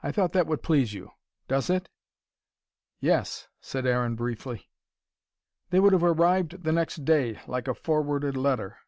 I thought that would please you. Does it?" "Yes," said Aaron briefly. "They would have arrived the next day, like a forwarded letter."